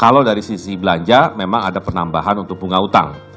kalau dari sisi belanja memang ada penambahan untuk bunga utang